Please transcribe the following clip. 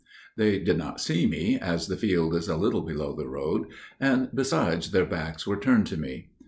They did not see me, as the field is a little below the road, and besides their backs were turned to me.